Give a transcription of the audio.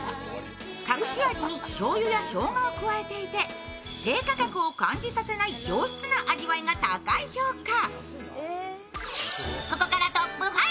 隠し味にしょうゆやしょうがを加えていて、低価格を感じさせない上質な味わいが高い評価。